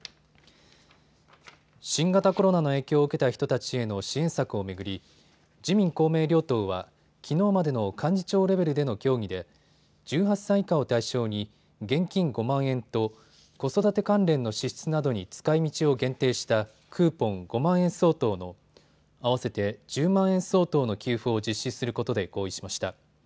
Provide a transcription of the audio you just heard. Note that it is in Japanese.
新型コロナの影響を受けた人たちへの支援策を巡り自民公明両党はきのうまでの幹事長レベルでの協議で１８歳以下を対象に現金５万円と子育て関連の支出などに使いみちを限定したクーポン５万円相当の合わせて１０万円相当の給付を実施することで合意しました。